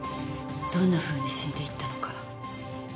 どんなふうに死んでいったのか。